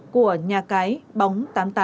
của nhà cái bóng tám mươi tám